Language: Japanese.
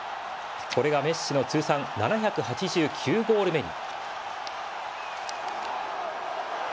これがメッシの通算７８９ゴール目に。